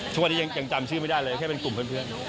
ทุกวันนี้ยังจำชื่อไม่ได้เลยแค่เป็นกลุ่มเพื่อน